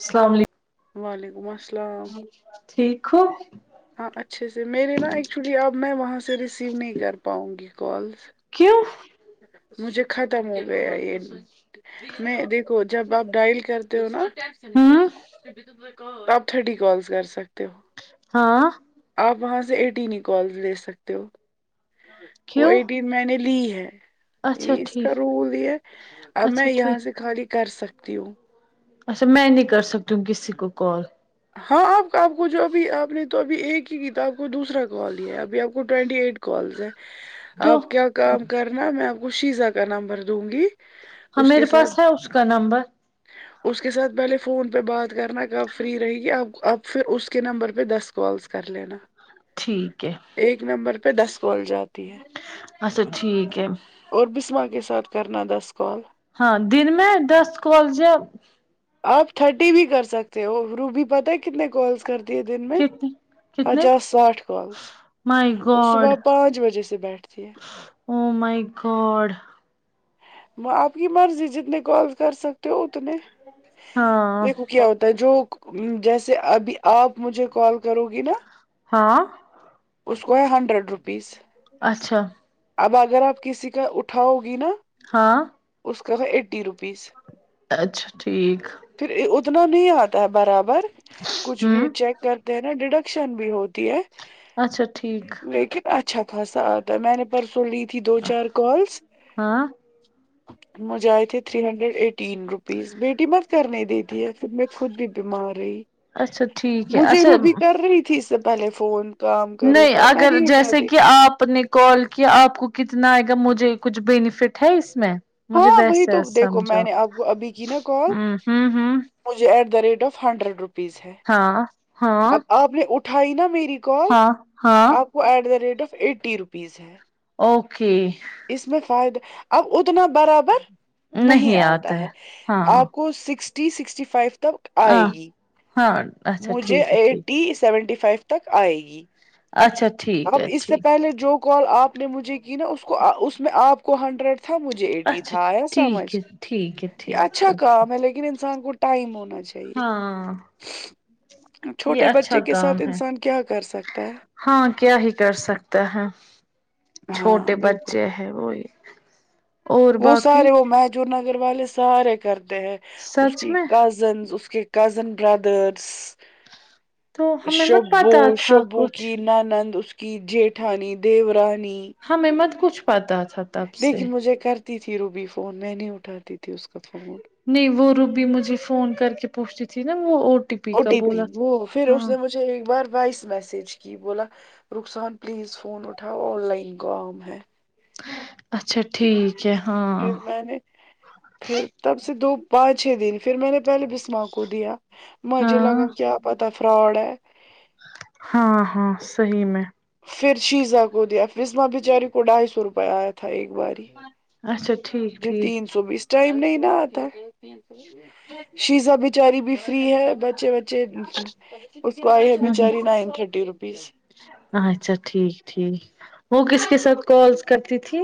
اسلام علیکم وعلیکم السلام ٹھیک ہو ہاں اچھے سے میرے نا ایکچولی اب میں وہاں سے ریسیو نہیں کر پاؤں گی کالس کیوں مجھے ختم ہو گیا یہ میں دیکھو جب آپ ڈائل کرتے ہو نا ہوں آپ تھرٹی کالس کر سکتے ہو ہاں آپ وہاں سے ایٹین ہی کال لے سکتے ہو وہ کیوں ایٹین میں نے لی ہے اچھا یہ اس کا ٹھیک رول یہ ہے اب اچھا میں یہاں سے ٹھیک خالی کر سکتی ہوں اچھا میں نہیں کر سکتی ہوں کسی کو کال ہاں آپ آپ کو جو ابھی آپ نے تو ابھی ایک ہی کی تھا آپ کو دوسرا کال ہی ہے ابھی آپ کو ٹوینٹی ایٹ کالز ہیں تو آپ کیا کام ہاں کرنا میں آپ کو شیزا کا نمبر دوں گی ہم اس کے میرے ساتھ پاس ہے اس کا نمبر اس کے ساتھ پہلے فون پہ بات کرنا کب فری رہی اب پھر اس کے نمبر پہ دس کالس کر لینا ٹھیک ہے ایک نمبر پہ دس کال جاتے اچھا ٹھیک ہے اور بسمہ کے ساتھ کرنا دس کال ہاں دن میں دس کالز س ہیں آپ تھرٹی بھی کر سکتے ہو روبی پتہ ہے کتنے کالس کرتے دن میں کتنے کتنے پچاس ساٹھ کالز مائی وہ گاڈ صبح پانچ بجے سے بیٹھتی ہے او مئی گاڈ آپ کی مرضی جتنے کال کر سکتے ہو اتنے ہاں دیکھو کیا ہوتا ہے جو جیسے ابھی آپ مجھے کال کرو گی نا ہاں اس کو ہے ہنڈریڈ روپیز اچھا اب اگر آپ کسی کا اٹھاؤ گی نا ہاں اس کا ہے ایٹی روپیز اچھا ٹھیک پھر اتنا نہیں آتا ہے برابر کچھ بھی ہوں چیک کرتے ہیں نا ڈیڈکشن بھی ہوتی ہے اچھا ٹھیک لیکن اچھا خاصا آتا میں نے پرسوں لی تھی دو چار کالز ہاں مجھے ائے تھے تھری ہنڈریڈ ایٹین روپیز بیٹی مت کرنے دیتی ہے پہر میں خود بھی بیمار رہی اچھا ٹھیک ہے مجھے اچھا روبی کر رہی تھی اس سے پہلے فون کام کروں نہیں کام میں اگر نہیں جیسے اٹھاتی کہ تھی آپ نے کال کیا آپ کو کتنا آئے گا مجھے کچھ بینفٹ ہے اس میں مجھے ہاں وہی تو ویسے دیکھو میں سمجھو نے آپ کو ابھی کی نا کال ہمم ھمم ھمم مجھے at the rate of hundred rupees ہے ہاں ہاں اب آپ نے اٹھائی نا میری کال ہاں ہاں آپ کو at the rate of eighty rupees ہے اوکے اس میں فائدہ اب اتنا برابر نہیں آتا ہے آپ کو سکسٹی سکسٹی فائیو تک آئے ہاں گی ہاں اچھا مجھے ٹھیک ہے ٹھیک ایٹی سیونٹی فائیو تک آئے گی اچھا ٹھیک اب ہے اس سے ٹھیک پہلے جو کال آپ نے مجھے کی نا اس کو اس میں آپ کو ہنڈریڈ تھا مجھے ایٹی اچھا تھا ایا سمجھ ٹھیک ہے ٹھیک ہے یہ ٹھیک اچھا اوکے کام ہے لیکن انسان کو ٹائم ہونا چاہیے ہاں یہ چھوٹے اچھا بچے کے کام ساتھ ہے انسان کیا کر سکتا ہے ہاں کیا ہی کر سکتا ہے ہاں چھوٹے بالکل بچے ہیں وہی اور وہ باقی سارے وہ محجور نگر والے سارے کرتے ہیں اس سچ کی میں کوزنس اس کے کزن برادرس تو ہمیں مت شبو پتا تھا شبو کچھ کی نانند اس کی جیٹھانی دیورانی ہمیں مت کچھ پتا تھا تب سے لیکن مجھے کرتی تھی روبی فون میں نہیں اٹھاتی تھی اس کا فون نہیں وہ روبی مجھے فون کر کے پوچھتی تھی نا وہ او ٹی پی او کا ٹی پی بولا وہ پھر تھا اس ہاں نے مجھے ایک بار وائس میسج کی بولا رخسان پلیز فون اٹھاؤ آن لائن کام ہے اچھا ٹھیک جچھے [unintelligible] ہاں پھر میں نے پھر تب سے دو پانچ چھ دن پھر میں نے پہلے بسما کو دیا مجھے ہاں لگا کیا پتا فراڈ ہے ہاں ہاں صحیح میں پھر شیزہ کو دیا فزما بچاری کو ڈھائی سو روپے آیا تھا ایک بار ہی اچھا ٹھیک جو ٹھیک تین سو بیس ٹائم نہیں نا آتا شیزا بھی بچاری بھی فری ہے بچے وچے اس کو آئی ہے ہوں ہوں بچاری نائن تھرٹی روپیز اچھا ٹھیک ٹھیک وہ کس کے ساتھ کالز کرتی تھی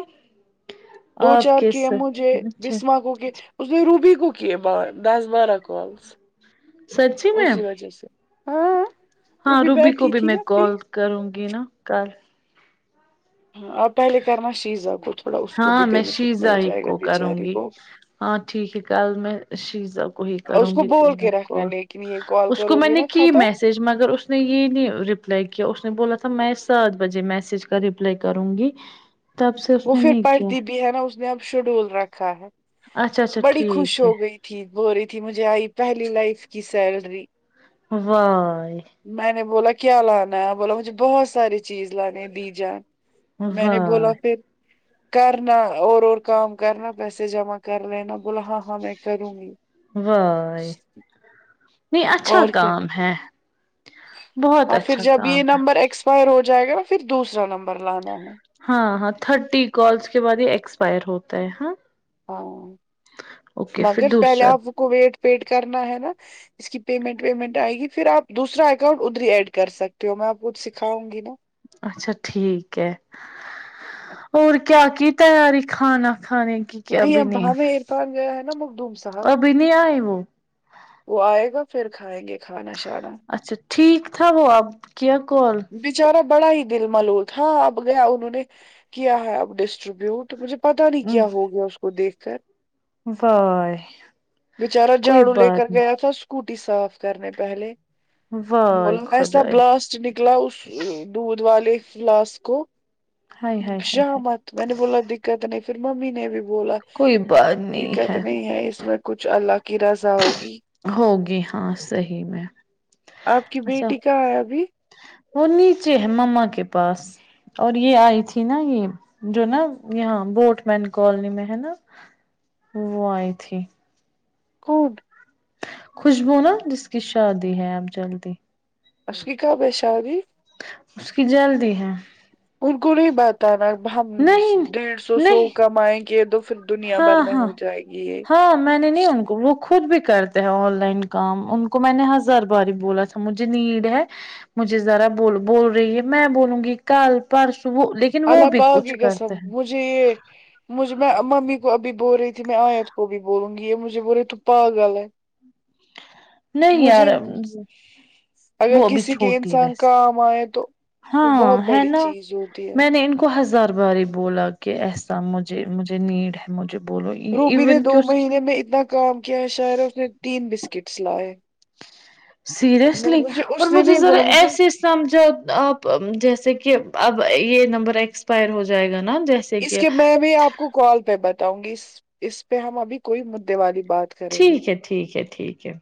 دو آپ چار کے کی مجھے ساتھ اچھا بسماکوں کے اچھا اس نے روبی کو کیے ب دس بارا کالز سچی میں اسی وجہ سے ہاں ہاں روبی کو بیٹھی بھی تھی میں نا فری کال کروں گی نا کل ہاں اب پہلے کرنا شیزہ کو تھوڑا اس کو بھی ہاں میں بینیفٹ شیزا مل ہی جائے گا کو کروں بیچاری گی کو ہاں ٹھیک ہے کل میں شیزا کو ہی کروں اس کو گی دن بول میں کے رکھنا کال لیکن یہ کال اس کو کرو میں گے نے نا کی ختم میس ج مگر اس نے یہ نہیں رپلائی کیا اس نے بولا تھا میں سات بجے میسج کا رپلائی کروں گی تب سے اس وہ نے پھر نہیں کیا پڑھتی بھی ہے نا اس نے اب شیڈول رکھا ہے اچھا اچھا بڑی خوش ٹھیک ہے ہو گئی تھی بول رہی تھی مجھے آئی پہلی لائف کی سیلری ہاں میں نے بولا کیا لانا ہے بولا مجھے بہت ساری چیز لانانی ہے بی جان میں نے بولا وائے پھر کرنا اور اور کام کرنا پیسے جمع کر لینا بولا ہاں ہاں میں کروں گی وائے نہیں اچھا اور کیا کام ہے بہت اچھا کام ہے فائر ہو جائے گا نا پھر دوسرا نمبر لنا ہے نا ہاں ہاں تھرٹی کالس کے بعد یہ ایکسپائر ہوتا ہے ہاں ہاں اوکے پھر مگر پہلے دوسرا آپ کو ویٹ پیٹ کرنا ہے نا اس کی پیمنٹ ویمنٹ آئے گی پھر آپ دوسرا اکاؤنٹ ادھرری ایڈ کر سکتے ہو میں آپ کوچھ سکھاؤں گی نا اچھا ٹھیک ہے اور کیا کی تیاری کھانا کھانے کی کہ نہیں ابھی ابا میں عرفان گیا ہے نا مخدوم سے ابھی نہیں آئی وہ وہ آئے گا پھر کھائیں گے کھانا شا اچھا ٹھیک تھا وہ اب کیا کال بچارا بڑا ہی دل ملو تھا اب گیا انہوں نے کیا ہے اب ڈسٹریبیوٹ تو مجھے پتا نہیں کیا ہو گیا اس کو دیکھ کر وائے بچارا کوئی جھاڑو لے کر بات گیا تھا اسکوٹی صاف کرنے پہلے نہیں وائے بولو ایسا خدائے بلاسٹ نکلا اس دودھ والے فلاسٹ کو ہائے ہائے ہائے ہائے شامت میں نے بولا دے دقت نہیں پھر ممی نے بھی بولا دقت نہیں ہے اس میں کچھ الگ کی رزا ہوگی ہوگی ہاں سہی میں آپ کی اچھا بیٹی کہاں ہے ابھی وہ نیچے ہے مما کے پاس اور یہ آئی تھی نا یہ جو نا یہاں بوٹ مین کالونی میں ہے نا وہ آئی تھی [unintelligible] خوشبو نا جس کی شادی ہے اب جلدی اس کی کب ہے شادی اس کی جلدی ہے ان کو نہیں بتانا ہم نہیں ڈیڑھ سو سو نہیں کمائیں گے تو پھر دنیا ہاں بھر میں ہاں ہو جائے گی یہ ہاں میں نے نہیں ان کو وہ خود بھی کرتے ہیں آن لائن کام ان کو میں نے ہزار بار بولا تھا مجھے نیڈ ہے مجھے ذرا بو بول رہی ہے میں بولوں گی کل پرسو لےک اللہ آپ آؤ گی کیسا مجھے یہ مجھے میں ممی کو ابھی بول رہی تھی میں آیت کو بھی بولوں گی یہ مجھے بول رہی تو پاگل ہے نہیں یار مجھے اگر وہ ابھی کسی کے چھوٹیتی ہے انسان ویسے کام آئے تو وہ ہاں بہت ہے بڑی نا چیز ہوتی ہے میں نے کو ہزار بار ہی بولا کہ ایسا مجھے مجھے نیڈ ہے مجھے بولو روبی نے ایون کہ اس کی [unintelligible] کام کیا ہے شاعر اس نے تین بسکٹس لائے میں سیریسلی مجھے اور اس نے مجھے نہیں ذرا بولا مجھے ایسے سمجھو آپ جیسے کہ اب یہ نمبر ایکسپائر ہو جائے گا نا جیسے اس کہ کے میں ابھی آپ کو کال پہ بتاؤں گی اس پہ ہم ابھی کوئی مدے والی بات کریں گے ٹھیک ہے ٹھیک ہے ٹھیک ہے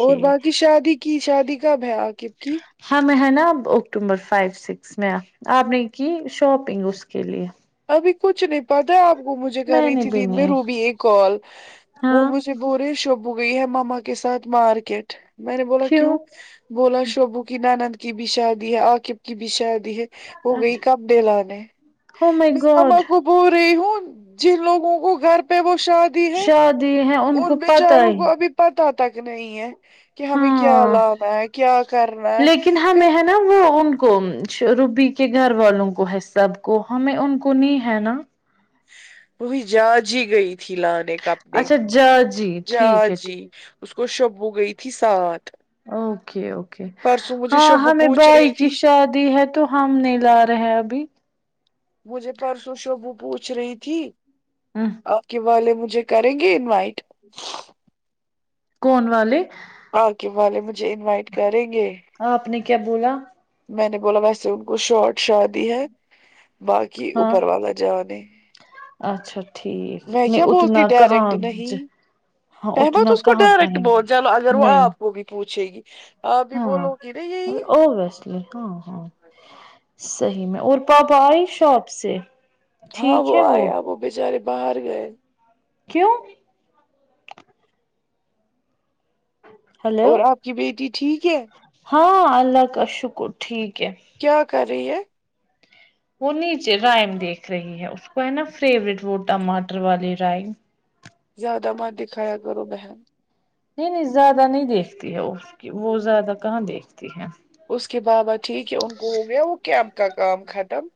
اور باقی شادی کی شادی کب ہے عقب کی ہم ہیں نا اکٹوبر فائیو سکس میں آپ نے کی شاپنگ اس کے لیے ابھی کچھ نہیں پتا آپ کو مجھے کر میں رہی نے تھی بھی دن میں نہیں روبی ایک کال وہ ہاں مجھے ب ے شب ہو گئی ہے مما کے ساتھ مارکیٹ میں نے بولا کیوں بولا شوبو کی نانند کی بھی شادی ہے عقیب کی بھی شادی ہے ہو گئی اچھا کب دلانے ہو مائی میں ما گاڈ کو بول رہی ہوں جن لوگوں کو گھر پر پہ وہ شادی ہے شادی ہے کو ان پتا بیچاروں ہی کو ابھی پتا تک نہیں ہے کہ ہمیں کیا ہاں لانا ہے کیا کرنا ہے لیکن پھر ہمیں ہے نہ وہ ان کو روبی کے گھر والوں کو ہے سب کو ہمیں ان کو نہیں ہے نا وہی جاجی گئی تھی لا نے کپڑے اچھا جا جی جا ٹھیک ہے جی اس کو شبو گئی تھی سات اوکے اوکے ہاں شبو ہمیں پوچھ بھائی رہی کی تھی شادی ہے تو ہم نہیں لا رہے ہیں ابھی مجھے پرسوں شبو پوچھ رہی تھی ہ آپ کے والے مجھے کریں گے انوائٹ کون والے آگے والے مجھے انوائٹ کریں گے ہاں آپ نے کیا بولا میں نے بولا ویسے ان کو شارٹ شادی ہے باق کی ہاں اپر والا جا نے اچھا ٹھیک نہیں اتنا کہاں ج آئے بعد اس کو ڈائریکٹ بول جلو اگر وہ نہیں آپ کو بھی پوچھے گی آپ بھی ہاں ہاں بولو گی نا یہی اووییسلی ہاں ہاں صحیح میں اور پپاآئی شاپ سے ٹھیک ہے وہ بچارے باہر گئے کیوں ہلو اور آپ کی بیٹی ٹھیک ہے ہاں اللہ کا شکر ٹھیک ہے کیا کر رہی ہے وہ نیچے رائم دیکھ رہی ہے اس کو ہے نا فیورٹ وہ ٹماٹر والی رائم زیادہ مت دکھایا کرو بہن نہیں نہیں زیادہ نہیں دیکھتی ہے وہ کی وہ زیادہ کہاں دیکھتی ہے اس کے بابا ٹھیک ہے ان کو ہو گیا وہ کیمپ کا کام ختم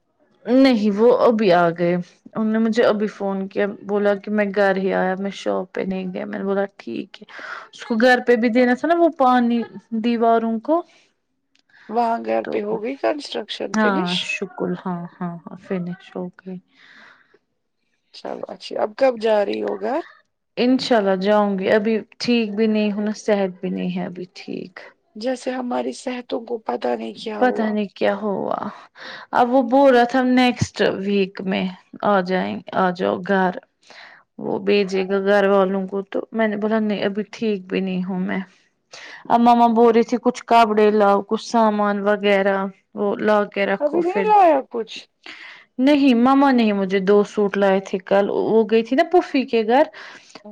نہیں وہ ابھی آ گئے انہوں نے مجھے ابھی فون کیا بولا کہ میں گھر ہی آیا میں شاپ پہ نہیں گیا میں نے بولا ٹھیک ہے اس کو گھر پہ بھی دینا تھا نا وہ پانی دیواروں کو وہاں گھر پہ ہو گئی کنسٹرکشن فنش بالکل ہاں ہاں ہاں فینیش ہوگئی چل اچھیا اب کب جا رہی ہو گھر انشاء اللہ جاؤں گی ابھی ٹھیک بھی نہیں ہوں صحت بھی نہیں ہے ابھی ٹھیک جیسے ہماری صحت تو گوپاد پتہ نہیں کیا ہوا اب وہ بول رہا تھا نیکسٹ ویک میں آ جائیںے آ جاؤ گھر وہ بھیجے گا گھر والوں کو تو میں نے بولا نہیں ابھی ٹھیک بھی نہیں ہوں میں ماما بول رہی تھی کچھ کپڑے لاؤ کچھ سامان وغیرہ وہ لا کے رکھو ابھی نہیں پھر لایا کچھ نہیں مما نے ہے مجھے دو سوٹ لائے تھے کل وہ گئی تھی نا پوفی کے گھر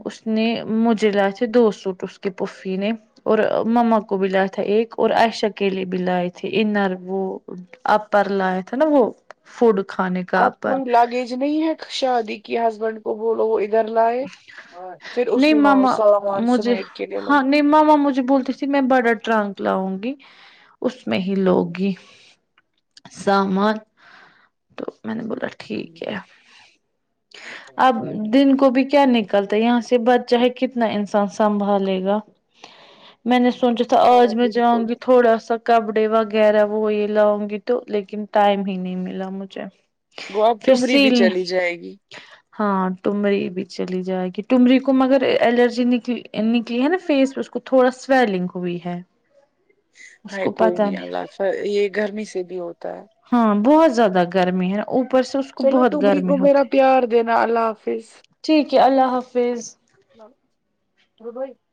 اس نے مجھے دو سوٹ اس کے پوفی نے اور مما کو بھی لایا تھا ایک اور عائشا کے کے لیے بھی لائے تھے انر وہ اپر لائے تھے نا وہ فوڈ کھانے کا آپ کو اپر لگیج نہیں ہے شادی کی ہسبینڈ کو بولو ادھر لاے پھر اس نہیں ماما سامان مجھے سمیٹ کے لے لو ہاں نہیں ماما مجھے بولتی تھی میں بڑا ٹرانک لاؤں گی اس میں ہی لوگی سامان تو میں نے بولا ٹھیک ہے اب دن کو بھی کیا نکلتا ہے یہاں سے بچہ ہے کتنا انسان سنبھالے گا میں نے سوچا تو ہاں آج میں بالکل جاؤں گی تھوڑا سا کپڑے وغیرہ وہ یہ لاؤں گی تو لیکن ٹائم ہی نہیں ملا مجھے گوب پھر ٹمری بھی سیلنے چلی جائے گی ہاں تمری بھی چلی جائے گی تمری کو مگر الرجی نکلی نکلی ہے نا فیس اس کو تھوڑا سویلنگ ہوئی ہے اس ہائے کو کوئی پتا نہیں اللہ فائر یہ گرمی سے بھی ہوتا ہے ہاں بہت زیادہ گرمی ہے اوپر سے اس کو چلو بہت ٹمری گرمی کو میرا ہوتھی پیار دینا اللہ حافظ ٹھیک ہے اللہ حافظ [unintelligible]